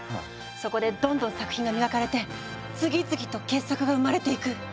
そこでどんどん作品が磨かれて次々と傑作が生まれていく。